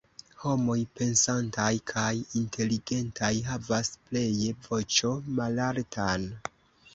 Homoj pensantaj kaj inteligentaj havas pleje voĉon malaltan.